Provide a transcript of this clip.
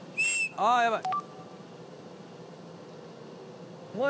「ああやばい！」